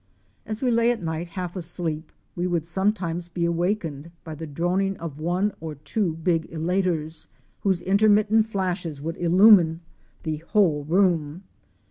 As we lay at night half asleep we would sometimes be awakened by the droning of one or two big elaters, whose intermittent flashes would illumine the whole room.